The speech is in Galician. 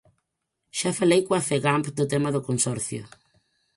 Xa falei coa Fegamp do tema do consorcio.